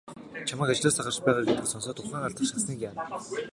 Чамайг ажлаасаа гарч байгаа гэдгийг сонсоод ухаан алдах шахсаныг яана.